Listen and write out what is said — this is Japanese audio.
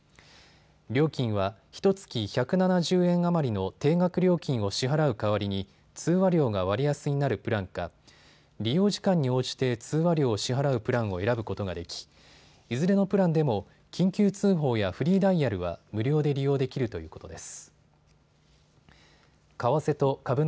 料金はひとつき１７０円余りの定額料金を支払う代わりに通話料が割安になるプランか利用時間に応じて通話料を支払うプランを選ぶことができいずれのプランでも緊急通報やフリーダイヤルは無料で利用できるということです。